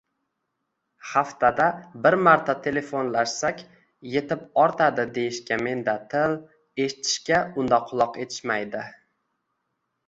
Haftada bir marta telefonlashsak etib-ortadi deyishga menda til, eshitishga unda quloq etishmaydi